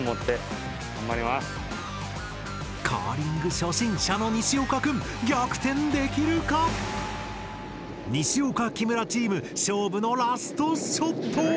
カーリング初心者の西岡くん逆転できるか⁉西岡・木村チーム勝負のラストショット！